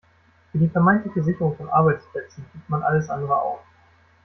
Für die vermeintliche Sicherung von Arbeitsplätzen gibt man alles andere auf.